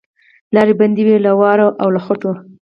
لاري بندي وې له واورو او له خټو